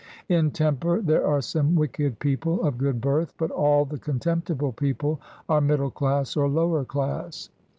In ''Temper" there are some wicked people of good birth; but all the contemptible people are middle class or lower class.